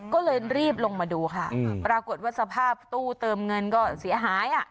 ก็เลยรีบลงมาดูค่ะปรากฏว่าสภาพตู้เติมเงินก็เสียหายอ่ะ